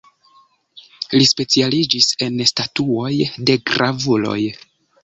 Li specialiĝis en statuoj de gravuloj.